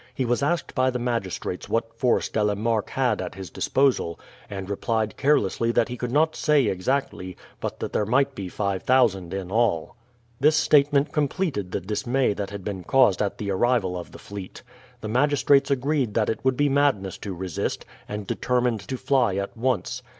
He was asked by the magistrates what force De la Marck had at his disposal, and replied carelessly that he could not say exactly, but that there might be five thousand in all. This statement completed the dismay that had been caused at the arrival of the fleet. The magistrates agreed that it would be madness to resist, and determined to fly at once.